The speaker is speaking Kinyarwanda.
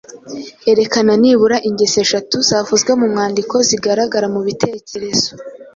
Erekana nibura ingeso eshatu zavuzwe mu mwandiko zigaragara mu bitekerezo